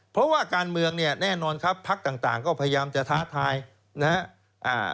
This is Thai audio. เพราะว่าการเมืองเนี่ยแน่นอนครับพักต่างต่างก็พยายามจะท้าทายนะครับ